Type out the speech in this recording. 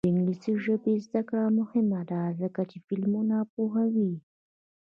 د انګلیسي ژبې زده کړه مهمه ده ځکه چې فلمونه پوهوي.